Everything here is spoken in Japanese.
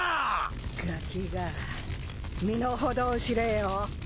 ガキが身の程を知れよ。